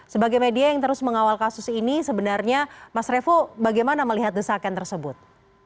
sebagai media yang terus mengawal kasus ini sebenarnya mas revo bagaimana melihat desakan tersebut